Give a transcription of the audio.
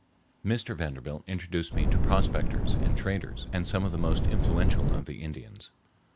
Mr. Vanderbilt introduced me to prospectors and traders and some of the most influential of the Indians.